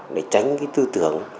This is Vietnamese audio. để tránh cái tư tưởng